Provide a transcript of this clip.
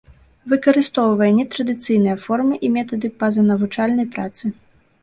Выкарыстоўвае нетрадыцыйныя формы і метады пазанавучальнай працы.